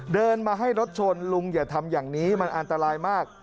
เดินมาให้รถชนลุงอย่าทำอย่างนี้มันอันตรายมาก